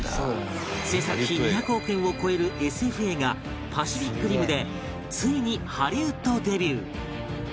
制作費２００億円を超える ＳＦ 映画『パシフィック・リム』でついにハリウッドデビュー